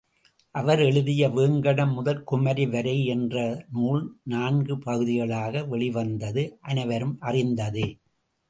அவர் எழுதிய வேங்கடம் முதல் குமரி வரை என்ற நூல் நான்கு பகுதிகளாக வெளிவந்தது அனைவரும் அறிந்ததே.